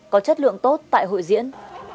có chất lượng tốt tại hội diễn